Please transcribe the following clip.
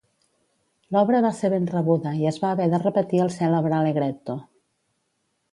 L'obra va ser ben rebuda i es va haver de repetir el cèlebre allegretto.